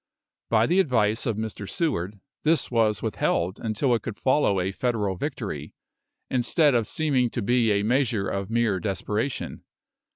By the advice of Mr. Seward, this was withheld until it could follow a Federal victory, instead of seeming to be a measure of mere desperation.